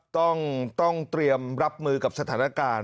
ต้องเตรียมรับมือกับสถานการณ์